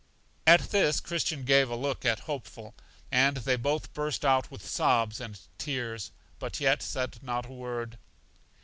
At this Christian gave a look at Hopeful, and they both burst out with sobs and tears, but yet said not a word.